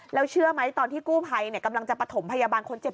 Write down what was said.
แล้วเชื่อไหมตอนที่กู้ภัยกำลังจะประถมพยาบาลคนเจ็บ